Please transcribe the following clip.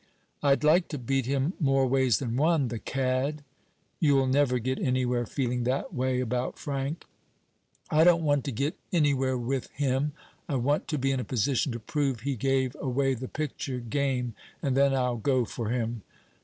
"I'd like to beat him more ways than one, the cad!" "You'll never get anywhere feeling that way about Frank." "I don't want to get anywhere with him. I want to be in a position to prove he gave away the picture game and then I'll go for him."